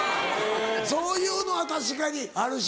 そういうのは確かにあるし。